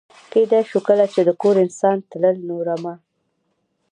کېدای شو کله چې د کور انسان تلل، نو رمه.